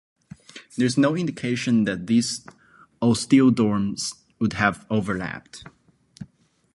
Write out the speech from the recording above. There is no indication that these osteoderms would have overlapped.